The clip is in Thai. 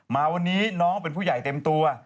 มาวันนี้น้องเป็นผู้ใหญ่เต็มตัว